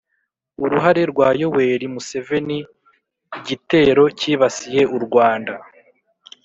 uruhare rwa yoweri museveni gitero cyibasiye u rwanda.